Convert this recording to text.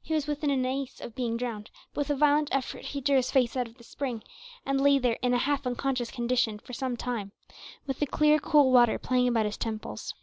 He was within an ace of being drowned, but with a violent effort he drew his face out of the spring, and lay there in a half unconscious condition for some time, with the clear cool water playing about his temples.